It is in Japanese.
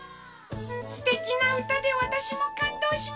すてきなうたでわたしもかんどうしました。